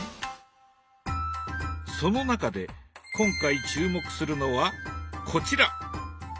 その中で今回注目するのはこちら！